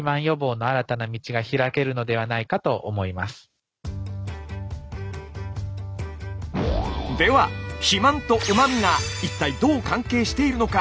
では肥満とうま味が一体どう関係しているのか？